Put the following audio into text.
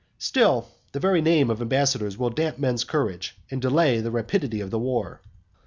Still the very name of ambassadors will damp men's courage, and delay the rapidity of the war.